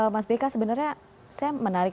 mas beka sebenarnya saya menarik